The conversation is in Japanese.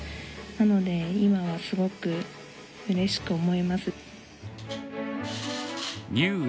なので今はすごくうれしく思います。